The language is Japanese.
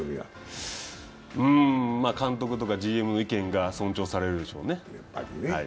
監督とかＧＭの意見が尊重されるでしょうね。